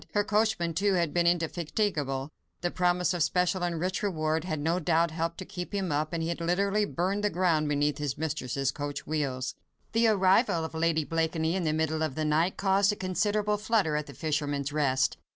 Her coachman, too, had been indefatigable; the promise of special and rich reward had no doubt helped to keep him up, and he had literally burned the ground beneath his mistress' coach wheels. The arrival of Lady Blakeney in the middle of the night caused a considerable flutter at "The Fisherman's Rest."